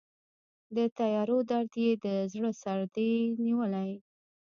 د تیارو درد یې د زړه سردې نیولی